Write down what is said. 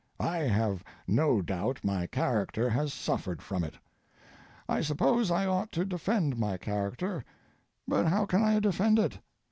I have no doubt my character has suffered from it. I suppose I ought to defend my character, but how can I defend it?